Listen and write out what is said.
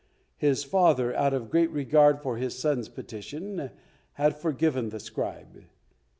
His father, out of regard for his son's petition, had forgiven the scribe.